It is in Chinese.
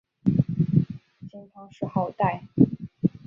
金汤谥号戴。